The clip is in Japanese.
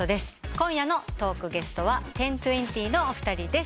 今夜のトークゲストはＸＩＩＸのお二人です。